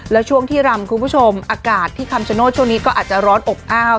แล้วช่วงที่รำคุณผู้ชมอากาศที่คำชโนธช่วงนี้ก็อาจจะร้อนอบอ้าว